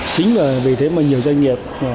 chính là vì thế mà nhiều doanh nghiệp